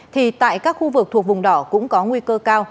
thì tại các khu vực thuộc vùng đỏ cũng có nguy cơ cao